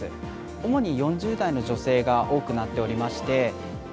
主に４０代の女性が多くなっておりまして。